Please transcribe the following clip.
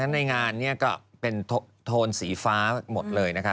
ในงานนี้ก็เป็นโทนสีฟ้าหมดเลยนะคะ